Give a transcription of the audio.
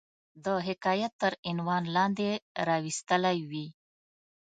د حکایت تر عنوان لاندي را وستلې وي.